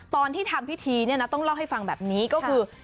ตอนที่ทำพิธีเนี่ยนะต้องเล่าให้ฟังแบบนี้ก็คือ